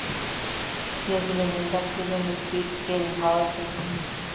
She has been inducted in the Speed Skating Hall of Fame.